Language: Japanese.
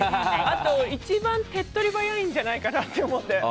あと、一番手っ取り早いんじゃないかと思って。